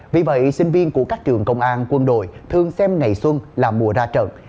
vì vậy sinh viên của các trường công an quân đội thường xem ngày xuân là mùa ra trận